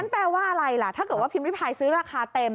แปลว่าอะไรล่ะถ้าเกิดว่าพิมพิพายซื้อราคาเต็ม